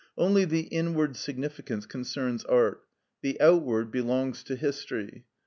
Only the inward significance concerns art; the outward belongs to history.